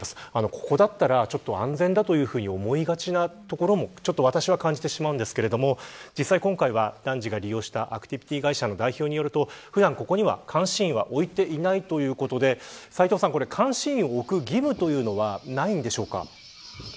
ここだったら安全だと思いがちなところも私は感じてしまうんですけれども実際、今回は男児が利用したアクティビティ会社の代表によると普段ここには監視員は置いていないということで斎藤さん、監視員を置く義務というのはないんでしょうか。